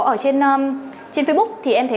ở trên facebook thì em thấy